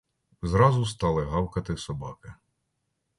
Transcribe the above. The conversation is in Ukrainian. Зразу стали гавкати собаки.